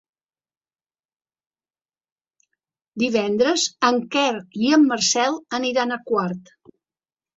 Divendres en Quer i en Marcel aniran a Quart.